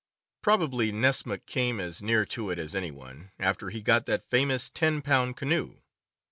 Probably Nessmuk came as near to it as any one, after he got that famous ten pound canoe.